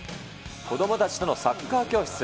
子どもたちとのサッカー教室。